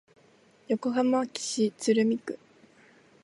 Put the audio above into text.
横浜市鶴見区